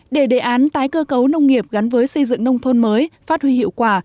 để đề án tái cơ cấu nông nghiệp gắn với xây dựng nông thôn mới phát huy hiệu quả